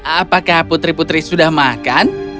apakah putri putri sudah makan